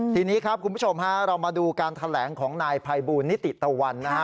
ทีนี้คุณผู้ชมเรามาดูการแถลงของนายไพบูนมิติตวรรณ